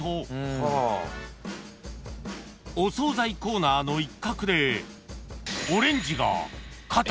［お総菜コーナーの一角で］